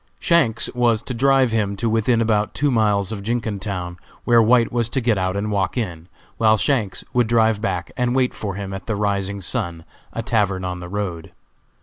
Shanks was to drive him to within about two miles of Jenkintown, where White was to get out and walk in, while Shanks would drive back and wait for him at the Rising Sun, a tavern on the road.